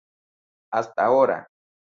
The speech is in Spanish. Hasta ahora.